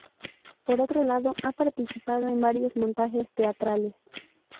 Por otro lado ha participado en varios montajes teatrales.